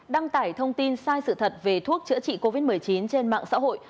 đăng tải thông tin sai sự thật về thuốc chữa trị covid một mươi chín trên mạng xã hội